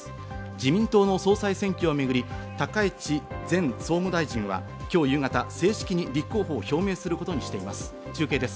自民党の総裁選挙をめぐり、高市前総務大臣は今日夕方、正式に立候補を表明することにしています。